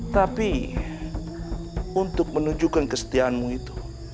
tapi untuk menunjukkan kesetiaanmu itu